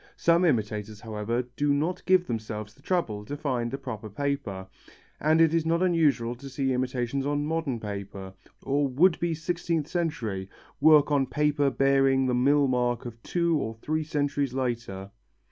Some imitators, however, do not give themselves the trouble to find the proper paper, and it is not unusual to see imitations on modern paper, or would be sixteenth century, work on paper bearing the mill mark of two or three centuries later.